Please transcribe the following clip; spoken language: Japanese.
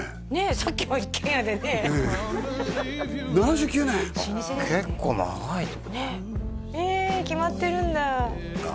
さっきも一軒家でね７９年老舗ですねへえ決まってるんだああ